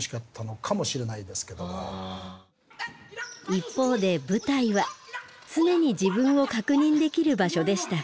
一方で舞台は常に自分を確認できる場所でした。